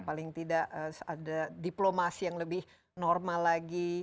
paling tidak ada diplomasi yang lebih normal lagi